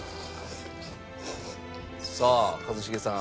さあ一茂さん。